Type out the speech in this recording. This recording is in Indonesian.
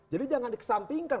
jadi jangan dikesampingkan